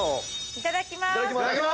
いただきます。